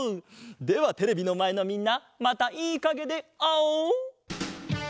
ではテレビのまえのみんなまたいいかげであおう！